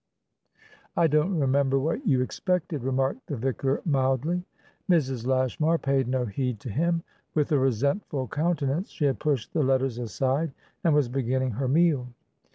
"I don't remember what you expected," remarked the vicar, mildly. Mrs. Lashmar paid no heed to him. With a resentful countenance, she had pushed the letters aside, and was beginning her meal.